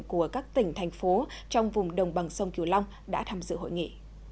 của các tỉnh thành phố trong vùng đồng bằng sông kiều long đã tham dự hội nghị